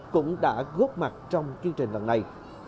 cũng đã góp mặt trong chương trình lần này